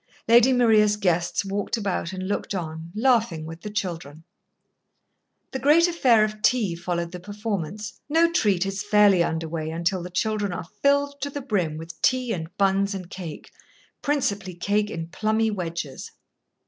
Lady Maria's guests walked about and looked on, laughing with the children. The great affair of tea followed the performance. No treat is fairly under way until the children are filled to the brim with tea and buns and cake, principally cake in plummy wedges.